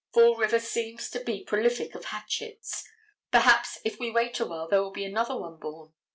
Fall River seems to be prolific of hatchets. Perhaps if we wait awhile there will be another one born.